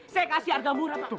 saya kasih harga murah